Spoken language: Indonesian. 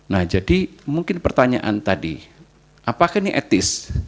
nah jadi mungkin pertanyaan tadi apakah ini etis